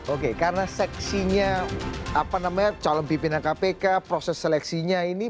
oke karena seksinya calon pimpinan kpk proses seleksinya ini